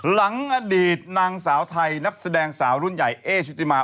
หลังอดีตนางสาวไทยนักแสดงสาวรุ่นใหญ่เอชุติมา